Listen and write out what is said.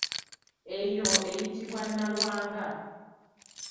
Eyo eyitibwa nalwanga.